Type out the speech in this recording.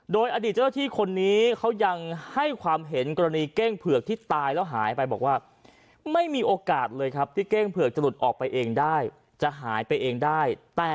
โดยอดีตเจ้าที่คนนี้เขายังให้ความเห็นกรณีเก้งเผือกที่ตายแล้วหายไป